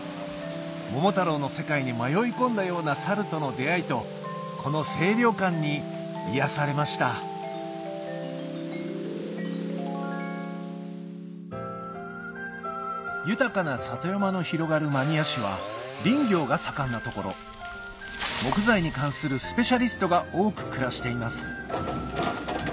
桃太郎の世界に迷い込んだような猿との出合いとこの清涼感に癒やされました豊かな里山の広がる真庭市は林業が盛んな所木材に関するスペシャリストが多く暮らしています